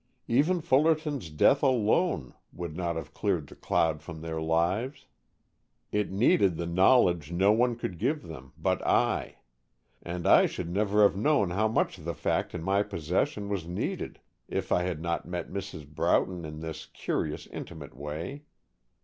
Even Fullerton's death alone would not have cleared the cloud from their lives. It needed the knowledge no one could give them but I, and I should never have known how much the fact in my possession was needed if I had not met Mrs. Broughton in this curiously intimate way.